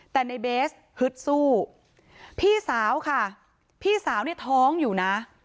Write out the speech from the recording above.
แต่ในเบสฮึดสู้พี่สาวค่ะพี่สาวเนี่ยท้องอยู่นะ